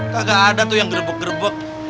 gak ada tuh yang gerbek gerbek